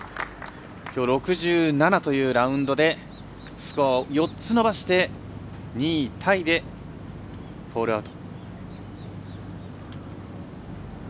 きょう、６７というラウンドでスコアを４つ伸ばして２位タイでホールアウト。